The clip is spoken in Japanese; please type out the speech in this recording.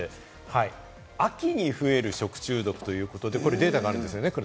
秋に増える食中毒ということで、データがあるんですよね？